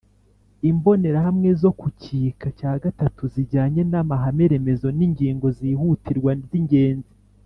imbonerahamwe zo ku gika cya gatatu zijyanye n'amahame remezo n'ingingo zihutirwa z'ingenzi